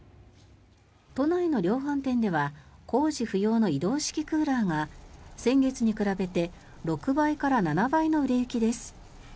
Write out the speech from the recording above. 都内の量販店では工事不要の移動式クーラーが先月に比べて６倍から７倍の売れ行きです。